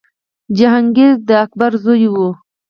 جهانګیر د اکبر زوی و.